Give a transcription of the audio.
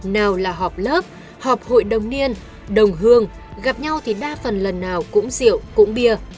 nào là họp lớp họp hội đồng niên đồng hương gặp nhau thì đa phần lần nào cũng rượu cũng bia